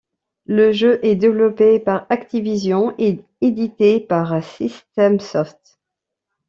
Le jeu est développé par Activision et édité par SystemSoft.